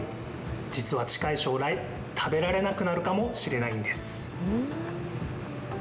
実は近い将来、食べられなくなるかもしれないんです。